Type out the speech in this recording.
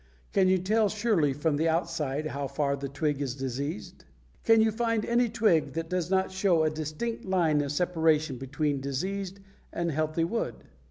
Can you tell surely from the outside how far the twig is diseased? Can you find any twig that does not show a distinct line of separation between diseased and healthy wood?